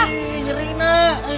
nih nyeri nak